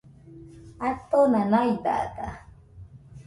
Atona naidada